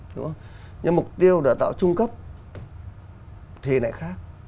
đúng nhưng mục tiêu đào tạo trung cấp thì lại khác